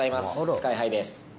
ＳＫＹーＨＩです。